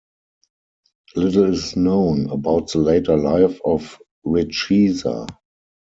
Little is known about the later life of Richeza.